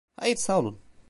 Hayır, sağ olun.